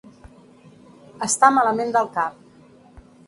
Estar malament del cap.